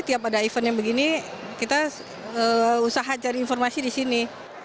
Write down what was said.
jadi tiap ada event yang begini kita usaha cari informasi di sini